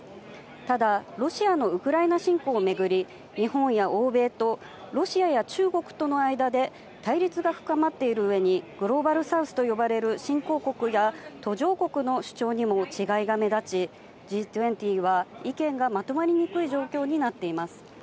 ただ、ロシアのウクライナ侵攻を巡り、日本や欧米とロシアや中国との間で対立が深まっているうえに、グローバル・サウスと呼ばれる新興国や途上国の主張にも違いが目立ち、Ｇ２０は意見がまとまりにくい状況になっています。